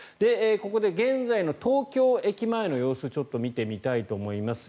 ここで現在の東京駅前の様子を見てみたいと思います。